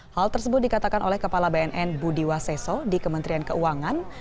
hal tersebut dikatakan oleh kepala bnn budi waseso di kementerian keuangan